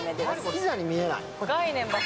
ピザに見えない。